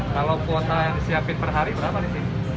kalau kuota yang disiapkan per hari berapa di sini